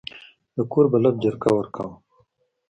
د کور بلب جرقه ورکاوه.